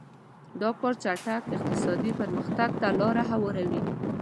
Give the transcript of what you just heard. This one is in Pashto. دا کار چټک اقتصادي پرمختګ ته لار هواروي.